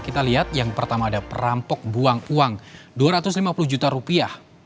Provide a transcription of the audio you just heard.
kita lihat yang pertama ada perampok buang uang dua ratus lima puluh juta rupiah